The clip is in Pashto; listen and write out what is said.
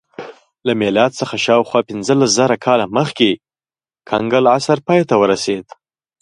له میلاد څخه شاوخوا پنځلس زره کاله مخکې کنګل عصر پای ته ورسېد